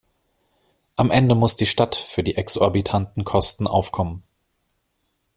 Am Ende muss die Stadt für die exorbitanten Kosten aufkommen.